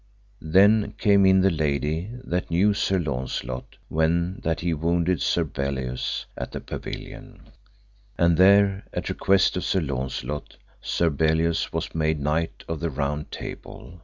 Then came in the lady that knew Sir Launcelot when that he wounded Sir Belleus at the pavilion. And there, at request of Sir Launcelot, Sir Belleus was made knight of the Round Table.